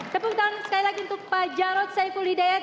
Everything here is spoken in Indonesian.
tepuk tangan sekali lagi untuk pak jarod saiful hidayat